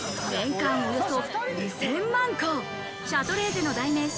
年間およそ２０００万個、シャトレーゼの代名詞